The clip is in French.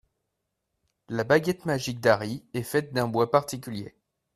La baguette magique d'Harry est faite d'un bois particulier.